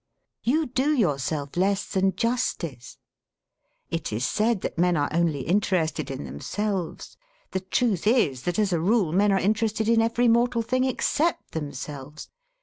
You do yourself less than justice. It is said that men are only interested in themselves. The truth is that, as a rule, men are interested in every mortal thing except themselves.